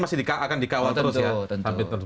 tapi ini artinya akan dikawal terus ya